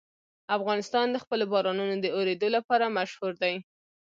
افغانستان د خپلو بارانونو د اورېدو لپاره مشهور دی.